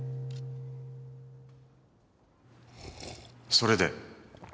それで？